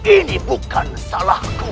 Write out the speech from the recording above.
ini bukan salahku